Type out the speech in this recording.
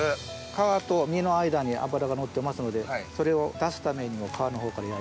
皮と身の間に脂がのってますのでそれを出すためにも皮のほうから焼いて。